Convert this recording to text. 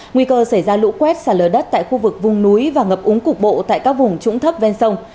nguy cơ xảy ra lũ quét xả lở đất tại khu vực vùng núi và ngập úng cục bộ tại các vùng trũng thấp ven sông